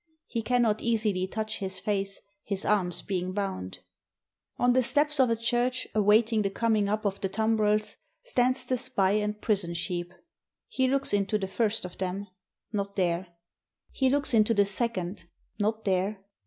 He cannot easily touch his face, his arms being bound. 329 FRANCE On the steps of a church, awaiting the coming up of the tumbrels, stands the spy and prison sheep. He looks into the first of them: not there. He looks into the second: not there.